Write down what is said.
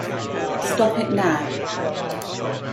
Stop it now.